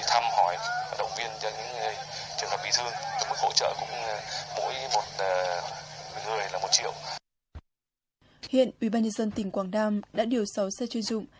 hiện ubnd tỉnh quảng nam đã điều sáu xe chuyên dụng